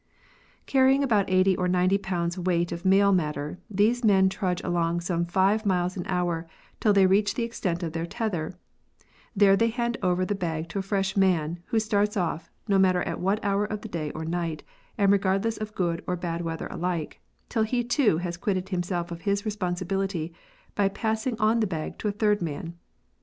Carrying about eighty or ninety pounds weight of mail matter, these men trudge along some five miles an hour till they reach the extent of their tether ; there they hand over the bag to a fresh man, who starts off, no matter at what hour of the day or night, and regardless of good or bad weather alike, till he too has quitted himself of his responsibility by pass ing on the bag to a third man.